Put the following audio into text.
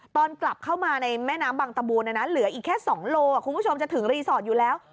ตอนกลับเข้ามาในแม่น้ำบางตะบูนเหลืออีกแค่๒โลคุณผู้ชมจะถึงรีสอร์ทอยู่แล้ว